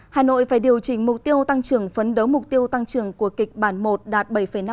hà nội phải điều chỉnh mục tiêu tăng trưởng phấn đấu mục tiêu tăng trưởng của kịch bản một đạt bảy năm